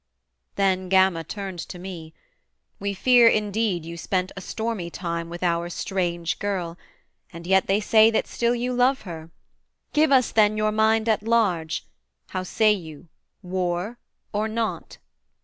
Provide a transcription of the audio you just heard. Then Gama turned to me: 'We fear, indeed, you spent a stormy time With our strange girl: and yet they say that still You love her. Give us, then, your mind at large: How say you, war or not?'